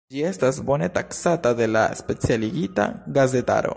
Ĝi estas bone taksata de la specialigita gazetaro.